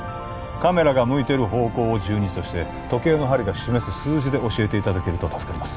カメラが向いてる方向を１２時として時計の針が示す数字で教えていただけると助かります